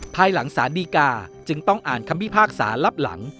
ภายหลังสารดีกาจึงต้องอ่านคำพิพากษารับหลัง